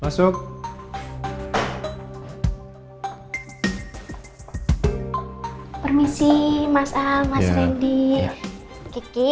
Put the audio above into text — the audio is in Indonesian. masih kita beda gitu